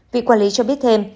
vị quản lý cho biết thêm